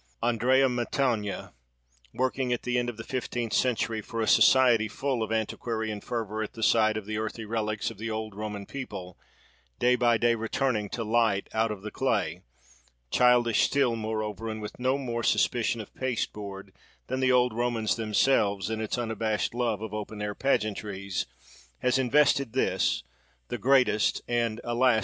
Andrea Mantegna, working at the end of the fifteenth century, for a society full of antiquarian fervour at the sight of the earthy relics of the old Roman people, day by day returning to light out of the clay—childish still, moreover, and with no more suspicion of pasteboard than the old Romans themselves, in its unabashed love of open air pageantries, has invested this, the greatest, and alas!